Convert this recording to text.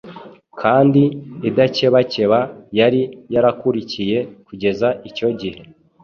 kandi idakebakeba yari yarakurikiye kugeza icyo gihe